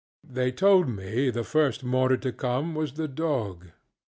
They told me the first mourner to come was the dog.